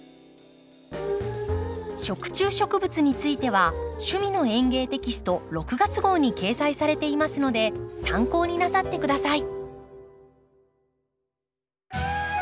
食虫植物については「趣味の園芸」テキスト６月号に掲載されていますので参考になさって下さい。